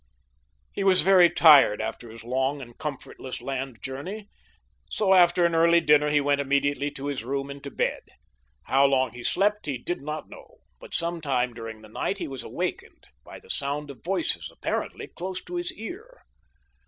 He was very tired after his long and comfortless land journey, so after an early dinner he went immediately to his room and to bed. How long he slept he did not know, but some time during the night he was awakened by the sound of voices apparently close to his ear.